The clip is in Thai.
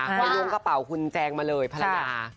พอล้วงกระเป๋าคุณแจงมาเลยภรรยา